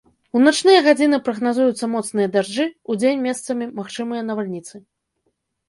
У начныя гадзіны прагназуюцца моцныя дажджы, удзень месцамі магчымыя навальніцы.